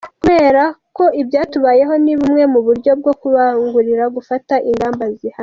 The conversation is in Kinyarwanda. Kubereka ibyatubayeho ni bumwe mu buryo bwo kubakangurira gufata ingamba zihamye.